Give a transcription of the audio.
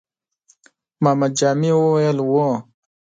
محمد جامي وويل: هو!